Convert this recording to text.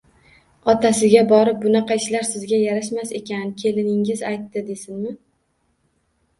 Otasiga borib, bunaqa ishlar sizga yarashmas ekan, kelinigiz aytdi desinmi